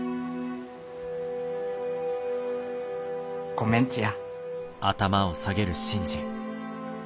ごめんちや。